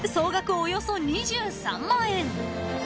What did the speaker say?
およそ２３万円］